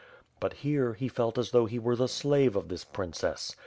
But, here, he felt as though he were the slave of this princess.